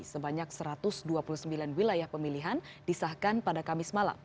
sebanyak satu ratus dua puluh sembilan wilayah pemilihan disahkan pada kamis malam